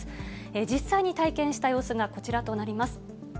実際に体験した様子がこちらとなります。